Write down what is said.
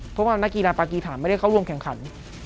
เพราะว่านักกีฬาปากีฐานไม่ได้เข้าร่วมแข่งขัน